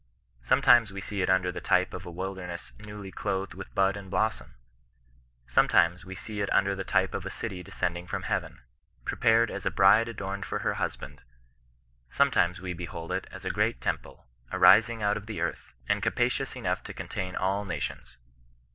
Sometimes we see it under the tjpe of a wilderness newlj clothed with bud and blossom ; sometimes we see it under the type of a city descending from heaven, prepared ae a bride adorned for her husband; sometimes we bdbold it as a great temple, arising out of the earth, and capacious enough to contain aU nations.